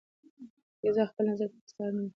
پاکیزه خپل نظر په مستعار نوم خپروي.